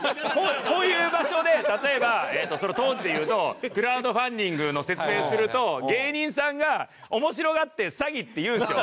こういう場所で例えばその当時で言うとクラウドファンディングの説明をすると芸人さんが面白がって「詐欺！」って言うんですよ。